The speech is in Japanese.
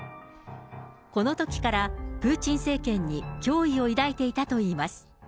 このときから、プーチン政権に脅威を抱いていたといいます。